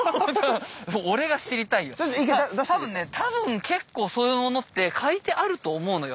多分ね多分結構そういうものって書いてあると思うのよ